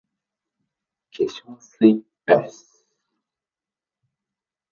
化粧水 ｓ